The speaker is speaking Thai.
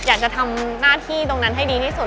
อยากจะทำหน้าที่ตรงนั้นให้ดีที่สุด